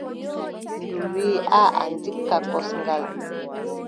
Ndu wiiʼa: aaʼa ndikka kosngal.